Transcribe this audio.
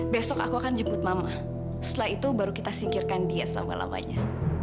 besok aku akan jemput mama setelah itu baru kita singkirkan dia selama lamanya